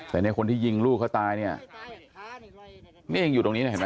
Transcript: แต่เนี่ยคนที่ยิงลูกเขาตายเนี่ยนี่เองอยู่ตรงนี้นะเห็นไหม